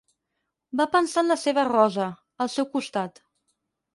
Va pensar en la seva Rosa, al seu costat.